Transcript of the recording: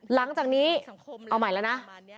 หลังจากนี้เอาใหม่แล้วนะ